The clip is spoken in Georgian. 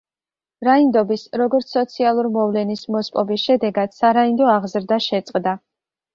რაინდობის, როგორც სოციალურ მოვლენის, მოსპობის შედეგად სარაინდო აღზრდა შეწყდა.